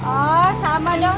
oh sama dong